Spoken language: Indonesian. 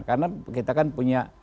karena kita kan punya